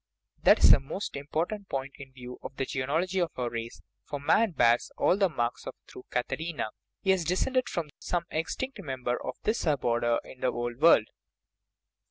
That is a most important point in view of the geneaology of our race; for man bears all the marks of a true catarrhina ; he has descended from some extinct member* of this sub order in the Old World.